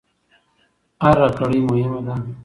هر کړۍ مهمه ده.